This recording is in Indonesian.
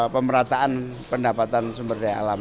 pemerataan pendapatan sumber daya alam